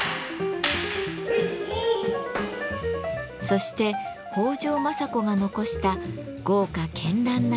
そして北条政子が残した豪華絢爛な化粧箱。